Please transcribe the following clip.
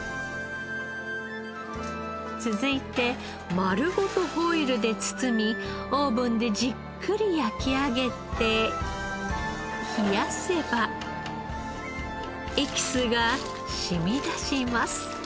続いて丸ごとホイルで包みオーブンでじっくり焼き上げて冷やせばエキスが染み出します。